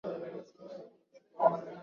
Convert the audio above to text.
Ninatafuta rafiki yangu.